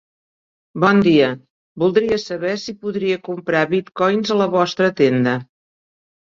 Bon dia, voldria saber si podria comprar bitcoins a la vostra tenda.